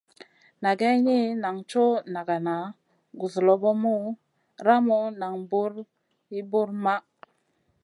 Na geyni, nan coʼ nagana, guzlobomu, ramu nam buw ir buwr maʼh.